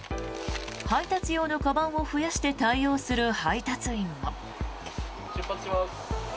配達用のかばんを増やして対応する配達員も。